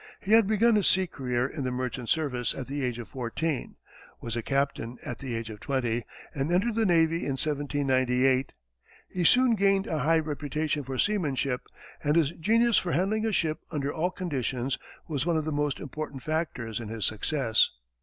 He had begun his sea career in the merchant service at the age of fourteen, was a captain at the age of twenty, and entered the navy in 1798. He soon gained a high reputation for seamanship, and his genius for handling a ship under all conditions was one of the most important factors in his success.